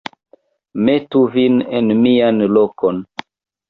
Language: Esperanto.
metu vin en mian lokon.